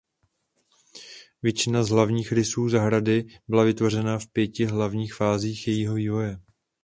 Většina z hlavních rysů zahrady byla vytvořena v pěti hlavních fázích jejího vývoje.